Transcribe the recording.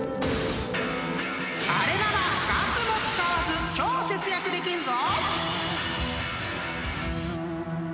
［あれならガスも使わず超節約できんぞ！］